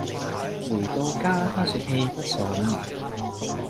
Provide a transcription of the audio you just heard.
回到家她說氣不順